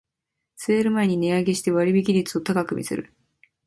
セール前に値上げして割引率を高く見せる